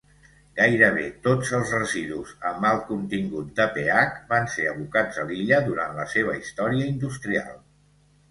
Gairebé tots els residus amb alt contingut de PH van ser abocats a l'illa durant la seva història industrial.